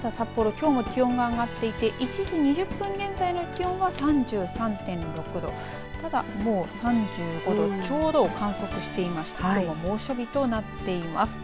きょうも気温が上がっていて１時２０分現在の気温は３３．６度ただもう３５度ちょうどを観測していましてきょうは猛暑日となっています。